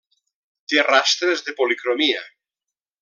Té rastres de policromia.